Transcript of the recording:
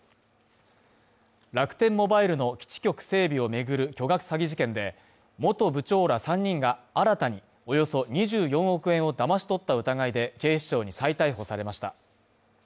楽天モバイルの基地局整備を巡る巨額詐欺事件で、元部長ら３人が新たにおよそ２４億円をだまし取った疑いで警視庁に再逮捕されました。